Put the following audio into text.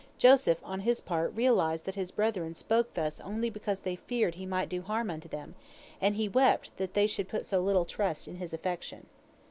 Joseph, on his part, realized that his brethren spoke thus only because they feared he might do harm unto them, and he wept that they should put so little trust in his affection.